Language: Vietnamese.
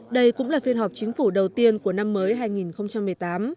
đây cũng là phiên họp chính phủ đầu tiên của năm mới hai nghìn một mươi tám